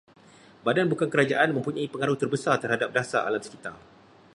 Badan bukan kerajaan mempunyai pengaruh terbesar terhadap dasar alam sekitar